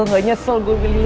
gak nyesel gue pilih lo